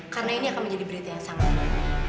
karena ini akan menjadi berita yang sangat baik